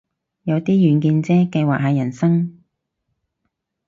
有啲遠見啫，計劃下人生